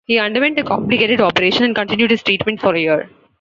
He underwent a complicated operation, and continued his treatment for a year.